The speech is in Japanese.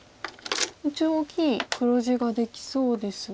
一応大きい黒地ができそうですが。